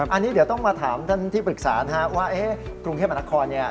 อันนี้เดี๋ยวต้องมาถามท่านที่ปรึกษานะฮะว่ากรุงเทพมหานครเนี่ย